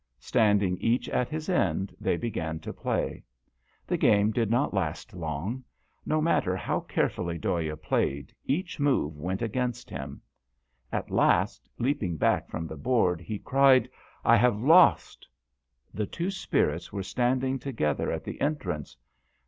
Standing each at his end they began to play. The game did not last long. No matter how carefully Dhoya played, each move went against him. At last, leaping back from the board he cried, " I have lost !" The two spirits were standing together at the entrance.